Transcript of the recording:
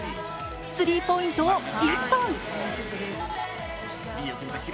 スリーポイントを１本２本。